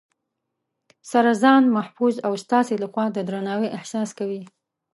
سره ځان محفوظ او ستاسې لخوا د درناوي احساس کوي